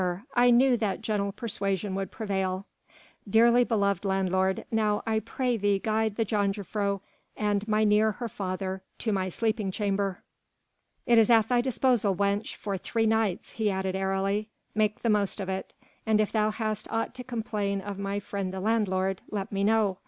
I knew that gentle persuasion would prevail. Dearly beloved landlord, now I pray thee guide the jongejuffrouw and mynheer her father to my sleeping chamber. It is at thy disposal, wench, for three nights," he added airily, "make the most of it; and if thou hast aught to complain of my friend the landlord, let me know.